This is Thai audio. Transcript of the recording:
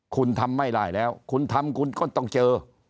คุณทำไม่ได้แล้วคุณทำคุณก็ต้องเจอ